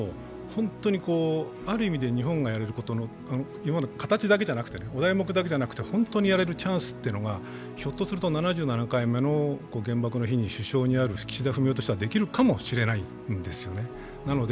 ある意味で日本がやれることの、今まで形だけ、お題目だけじゃなくて本当ににやれるチャンスというのがひょっとすると７７回目の原爆の日に首相にある岸田文雄としてはできるかもしれないですよね。